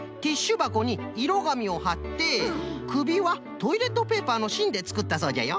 ばこにいろがみをはってくびはトイレットペーパーのしんでつくったそうじゃよ。